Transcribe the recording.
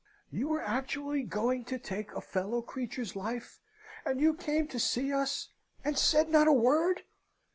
"You were actually going to take a fellow creature's life, and you came to see us, and said not a word!